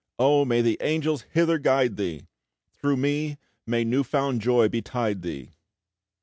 Oh, may the Angels hither guide thee! Through me, may new found joy betide thee!"